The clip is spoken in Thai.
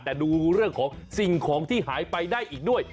แต่ดูเรื่องของสิ่งของที่หายไปได้อีกด้วย